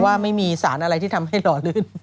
ว่าไม่มีสารอะไรที่ทำให้หล่อลื่น